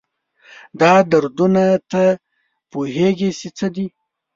دا دردونه، تۀ پوهېږي چې د څه دي؟